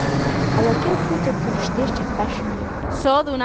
Ала-кӧ пуйто кӱрыштеш чатка шӱмем.